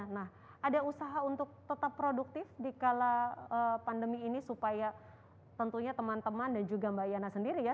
nah ada usaha untuk tetap produktif di kala pandemi ini supaya tentunya teman teman dan juga mbak yana sendiri ya